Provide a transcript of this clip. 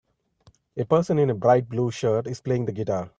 A person in a bright blue shirt is playing the guitar.